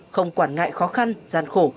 không quản ngại khó khăn gian khổ